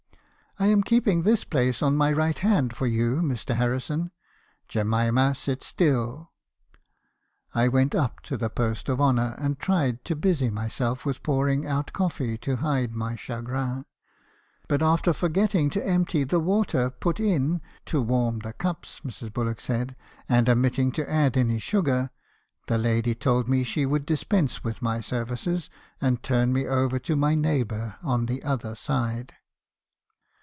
" *I am keeping this place on my right hand for you, Mr. Harrison. Jemima ; sit still !■ "I went up to the post of honour and tried to busy myself with pouring out coffee to hide my chagrin; but after forgetting to empty the water put in ('to warm the cups,' Mrs. Bullock said), and omitting to add any sugar, the lady told me she would dis pense with my services , and turn me over to my neighbour on the other side.